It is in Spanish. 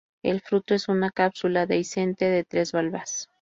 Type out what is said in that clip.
El fruto es una cápsula dehiscente de tres valvas.